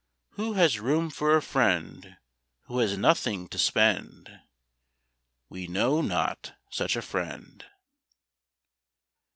Who has room for a friend Who has nothing to spend? We know not such a friend.